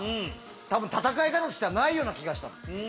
多分戦い方としてはないような気がしたの。